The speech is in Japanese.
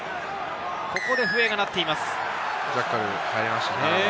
ここで笛が鳴っています。